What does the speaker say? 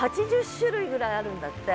８０種類ぐらいあるんだって。